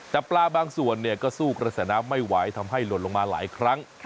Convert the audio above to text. แต่ปลาบางส่วนก็สู้กระแสน้ำไม่ไหวทำให้หล่นลงมาหลายครั้ง